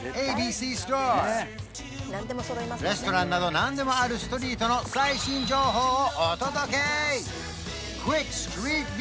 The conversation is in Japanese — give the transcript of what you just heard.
ＡＢＣストアレストランなど何でもあるストリートの最新情報をお届け！